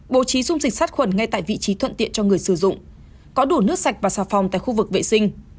bố trí dung dịch sát khuẩn ngay tại vị trí thuận tiện cho người sử dụng có đủ nước sạch và xà phòng tại khu vực vệ sinh